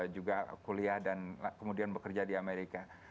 juga kuliah dan kemudian bekerja di amerika